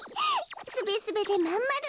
すべすべでまんまる。